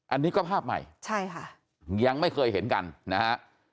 อันนี้ก็ภาพใหม่ใช่ค่ะยังไม่เคยเห็นกันนะฮะ